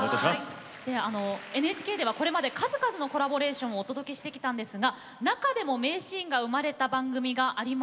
ＮＨＫではこれまで数々のコラボレーションをお届けしてきたんですが中でも名シーンが生まれた番組がありました。